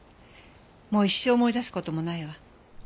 もう一生思い出す事もないわ。